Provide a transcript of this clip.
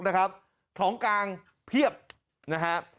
นะครับของกลางเพียบนะฮะ